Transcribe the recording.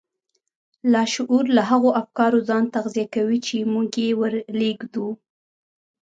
لاشعور له هغو افکارو ځان تغذيه کوي چې موږ يې ور لېږدوو.